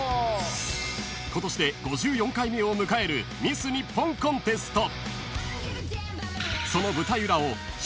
［今年で５４回目を迎えるミス日本コンテスト］